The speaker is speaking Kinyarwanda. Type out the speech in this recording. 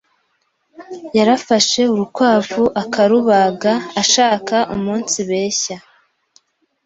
yarafashe urukwavu akarubaga ashaka umunsibeshya